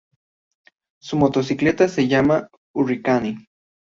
Su motocicleta se llama Hurricane.